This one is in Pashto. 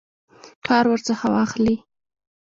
کار ورڅخه واخلي.